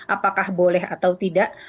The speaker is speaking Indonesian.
apakah boleh atau tidak